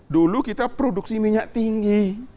dulu kita produksi minyak tinggi